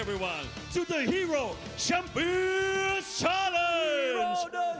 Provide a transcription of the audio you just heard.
สวัสดีครับทุกคน